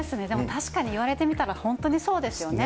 確かにいわれてみたら、本当にそうですよね。